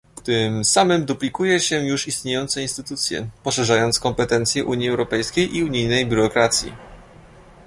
Tym samym duplikuje się już istniejące instytucje, poszerzając kompetencje Unii Europejskiej i unijnej biurokracji